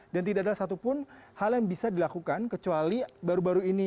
dan tidak ada satupun hal yang bisa dilakukan kecuali baru baru ini